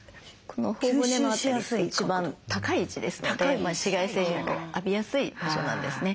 この頬骨の辺りって一番高い位置ですので紫外線浴びやすい場所なんですね。